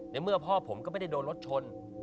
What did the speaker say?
ในเมื่อพ่อผมก็ไม่ได้โดนรถชน